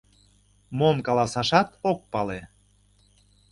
Мом каласашат ок пале.